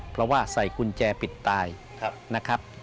เพราะว่าใส่กุญแจปิดตายนะครับ